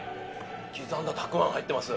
刻んだたくあん入ってます。